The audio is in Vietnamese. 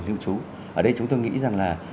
lưu trú ở đây chúng tôi nghĩ rằng là